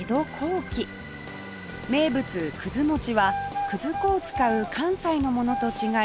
名物くず餅は粉を使う関西のものと違い